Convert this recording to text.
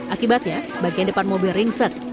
akibatnya bagian depan mobil ringset